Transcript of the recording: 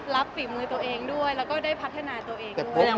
ฝีมือตัวเองด้วยแล้วก็ได้พัฒนาตัวเองด้วย